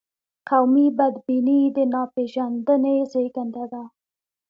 قومي بدبیني د ناپېژندنې زیږنده ده.